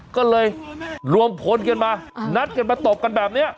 ก็เลยรวมพลกันมานัดกันมาตบกันแบบนี้